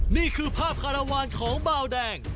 นี่คือภาพฆาตวรรณของเบาแดง